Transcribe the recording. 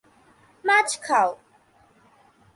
মাছ খাও।